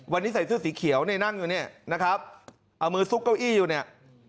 วันนี้ใส่เสื้อสีเขียวเนี่ยนั่งอยู่เนี่ยนะครับเอามือซุกเก้าอี้อยู่เนี่ย